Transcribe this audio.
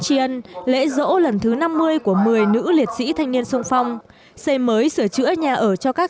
tri ân lễ rỗ lần thứ năm mươi của một mươi nữ liệt sĩ thanh niên song phong xây mới sửa chữa nhà ở cho các